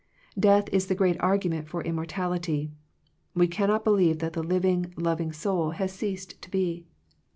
Death is the great argument for im mortality. We cannot believe that the living, loving soul has ceased to be.